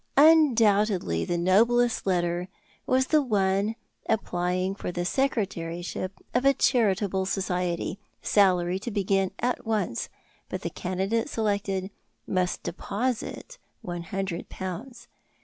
Undoubtedly the noblest letter was the one applying for the secretaryship of a charitable society, salary to begin at once, but the candidate selected must deposit one hundred pounds.